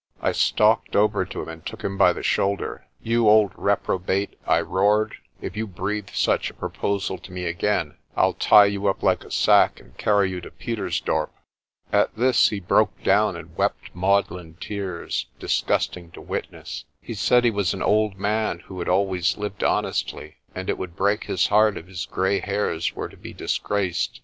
I stalked over to him, and took him by the shoulder. "You old reprobate," I roared, "if you breathe such a pro posal to me again, Pll tie you up like a sack and carry you to Pietersdorp." At this he broke down and wept maudlin tears, disgust ing to witness. He said he was an old man who had always lived honestly, and it would break his heart if his grey hairs were to be disgraced.